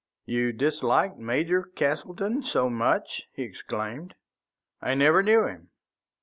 "You disliked Major Castleton so much?" he exclaimed. "I never knew him."